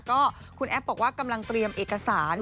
ก็คุณแอฟบอกว่ากำลังเตรียมเอกสาร